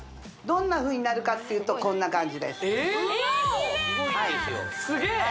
どんなふうになるかっていうとこんな感じですえキレイ！